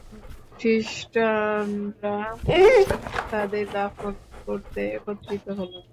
খৃষ্টানরা তাকে দাফন করতে একত্রিত হল।